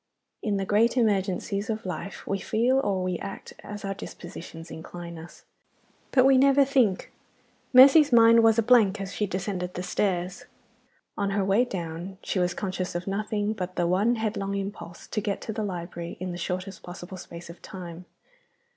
IN the great emergencies of life we feel, or we act, as our dispositions incline us. But we never think. Mercy's mind was a blank as she descended the stairs. On her way down she was conscious of nothing but the one headlong impulse to get to the library in the shortest possible space of time.